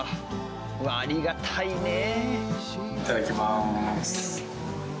ありがたいねえ。